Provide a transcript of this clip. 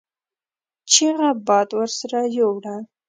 چيغه باد ورسره يو وړه.